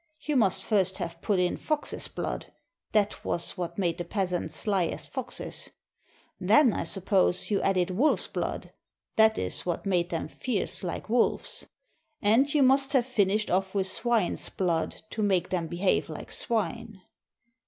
You must first have put in fox's blood: that was what made the peasants sly as foxes. Then, I suppose, you added wolf's blood: that is what made them fierce like wolves. THE IMP AND THE CRUST And you must have finished off with swine's blood, to make them behave like swine."